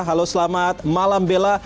halo selamat malam bela